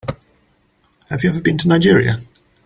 Have you ever been to Nigeria?